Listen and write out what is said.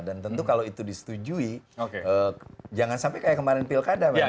dan tentu kalau itu disetujui jangan sampai kayak kemarin pilkada